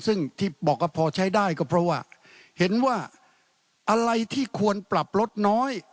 ซึ่งที่บอกว่าพอใช้ได้ก็เพราะว่าเห็นว่าอะไรที่ควรปรับลดน้อย